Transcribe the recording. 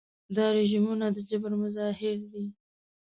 دا رژیمونه د جبر مظاهر دي.